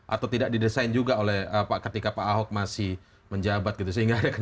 atau tidak didesain juga oleh ketika pak ahok masih menjabat gitu sehingga ada kenalan